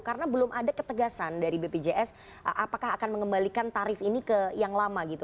karena belum ada ketegasan dari bpjs apakah akan mengembalikan tarif ini ke yang lama gitu